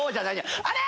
あれ！